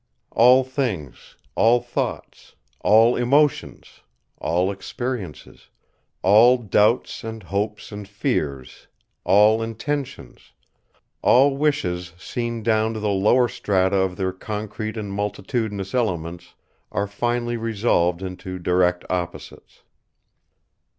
All things, all thoughts, all emotions, all experiences, all doubts and hopes and fears, all intentions, all wishes seen down to the lower strata of their concrete and multitudinous elements, are finally resolved into direct opposites.